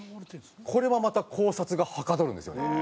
これはまた考察がはかどるんですよね。